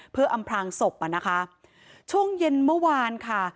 เพื่ออำพลางศพอ่ะนะคะช่วงเย็นเมื่อวานค่ะ